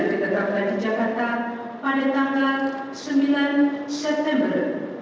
ditetapkan di jakarta pada tanggal sembilan september